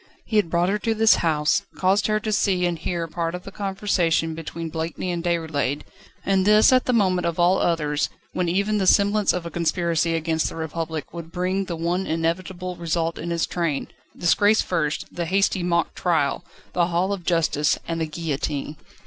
He had brought her to this house, caused her to see and hear part of the conversation between Blakeney and Déroulède, and this at the moment of all others, when even the semblance of a conspiracy against the Republic would bring the one inevitable result in its train: disgrace first, the hasty mock trial, the hall of justice, and the guillotine.